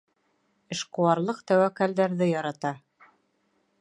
Эшҡыуарлыҡ тәүәккәлдәрҙе ярата